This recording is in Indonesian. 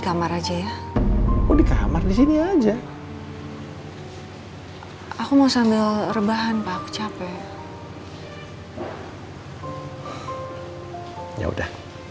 sampai jumpa di video selanjutnya